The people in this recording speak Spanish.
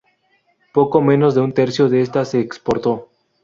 Poco menos de un tercio de esta se exportó.